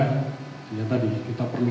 kayak tadi kita perlu